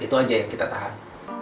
itu aja yang kita tahan